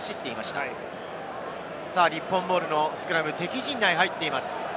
日本ボールのスクラム、敵陣内に入っています。